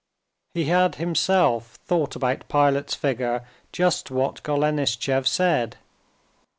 He had himself thought about Pilate's figure just what Golenishtchev said.